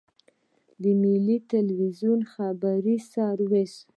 د ملي ټلویزیون خبري سرویس.